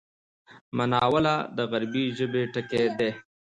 مناوله د عربي ژبی ټکی دﺉ.